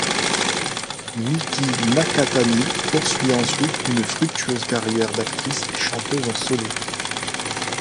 Miki Nakatani poursuit ensuite une fructueuse carrière d'actrice et chanteuse en solo.